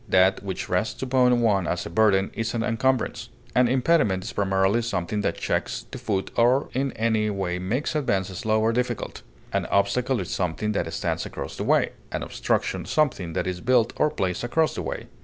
That which rests upon one as a burden is an encumbrance. An impediment is primarily something that checks the foot or in any way makes advance slow or difficult; an obstacle is something that stands across the way, an obstruction something that is built or placed across the way.